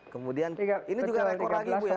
kemudian ini juga rekor lagi bu ya